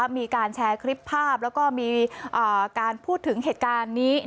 มีการแชร์คลิปภาพแล้วก็มีการพูดถึงเหตุการณ์นี้